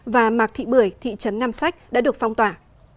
và mạc thị bưởi thị trấn nam sách đã được phong tỏa